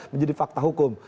menjadi fakta hukum